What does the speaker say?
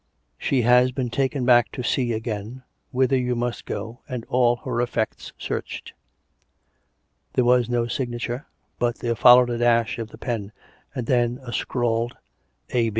§he has been 282 COME RACK! COME ROPE! taken back to C. again, whither you must go, and all her effects searched." There was no signature, but there followed a dash of the pen, and then a scrawled " A.